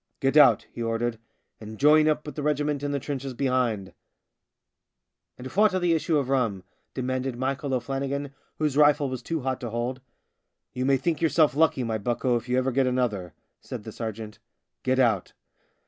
" Get out," he ordered, " and join up with the regiment in the trenches behind." " And phwat of the issue of rum ?" de manded Michael O'Flannigan, whose rifle was too hot to hold. " You may think yourself lucky, my bucko, if you ever get another," said the sergeant. " Get out."